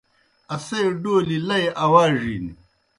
اسے ڈولیْ لئی آواڙِن۔